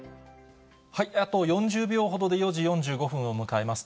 あと４０秒ほどで４時４５分を迎えます。